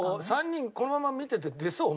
３人このまま見てて出そう？